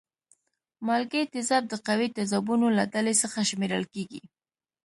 مالګې تیزاب د قوي تیزابونو له ډلې څخه شمیرل کیږي.